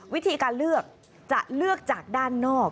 วิธีการเลือกจะเลือกจากด้านนอก